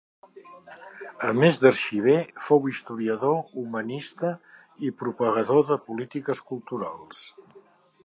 A més d'arxiver, fou historiador, humanista i propagador de polítiques culturals.